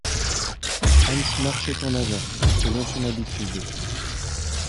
Hans marchait en avant, selon son habitude.